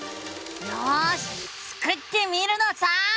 よしスクってみるのさ！